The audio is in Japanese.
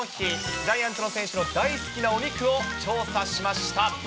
ジャイアンツの選手の大好きなお肉を調査しました。